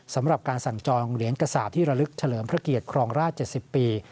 สำหรับการสั่งจองเหรียญกษาปที่ระลึกเฉลิมพระเกียรติครองราช๗๐ปี